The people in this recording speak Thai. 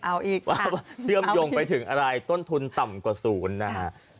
เอาอีกว่าเชื่อมโยงไปถึงอะไรต้นทุนต่ำกว่าศูนย์นะฮะ